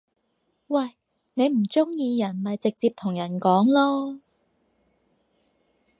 喂！你唔中意人咪直接同人講囉